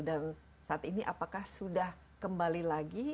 dan saat ini apakah sudah kembali lagi